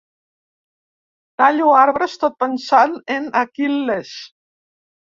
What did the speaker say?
Tallo arbres tot pensant en Aquil·les.